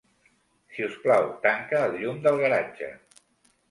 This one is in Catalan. Si us plau, tanca el llum del garatge.